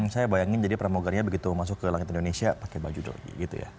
saya bayangin jadi pramogarnya begitu masuk ke langit indonesia pakai baju doanya gitu ya